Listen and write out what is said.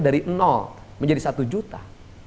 dari menjadi satu juta